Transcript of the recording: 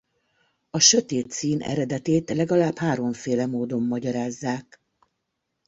A sötét szín eredetét legalább háromféle módon magyarázzák.